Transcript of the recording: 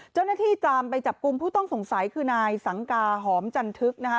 เจ้าหน้าที่จามไปจับกลุ่มผู้ต้องสงสัยคือนายสังกาหอมจันทึกนะคะ